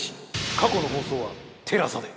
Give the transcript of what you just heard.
過去の放送はＴＥＬＡＳＡで。